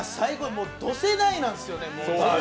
もうド世代なんですよね。